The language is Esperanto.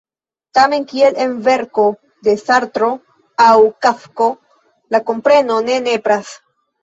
Tamen, kiel en verko de Sartro aŭ Kafko, la kompreno ne nepras.